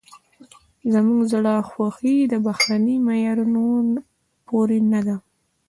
زموږ زړه خوښي د بهرني معیارونو پورې نه ده.